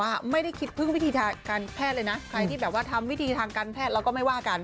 ว่าไม่ได้คิดพึ่งวิธีทางการแพทย์เลยนะใครที่แบบว่าทำวิธีทางการแพทย์เราก็ไม่ว่ากัน